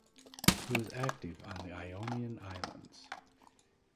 He was active on the Ionian islands.